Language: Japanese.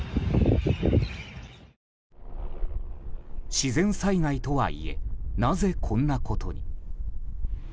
自然災害とはいえなぜこんなことに。